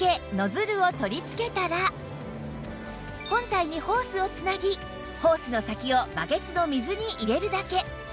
本体にホースを繋ぎホースの先をバケツの水に入れるだけ